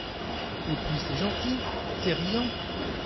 Et puis c’est gentil, c’est riant !